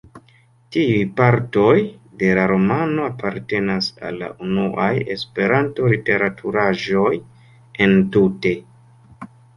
Tiuj partoj de la romano apartenas al la unuaj Esperanto-literaturaĵoj entute.